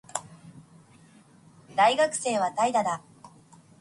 大学生は怠惰だ